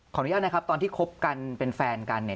อนุญาตนะครับตอนที่คบกันเป็นแฟนกันเนี่ย